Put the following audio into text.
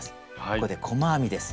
ここで細編みです。